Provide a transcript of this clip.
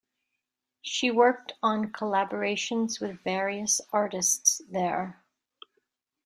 She worked on collaborations with various artists there.